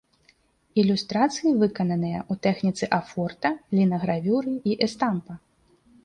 Ілюстрацыі выкананыя ў тэхніцы афорта, лінагравюры і эстампа.